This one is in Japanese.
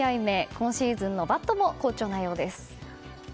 今シーズンのバットも好調なようです。